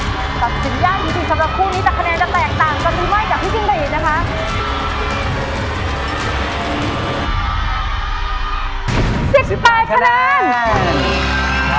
ตัดสิรุย์ยาวอยู่ไปตากรีกที่สถานกู้นี้ได้คะแนนแตกต่างแล้วก็ว่าให้พี่จิ้งลีทละค่ะ